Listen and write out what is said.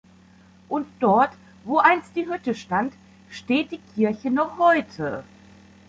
Und dort, wo einst die Hütte stand, steht die Kirche noch heute.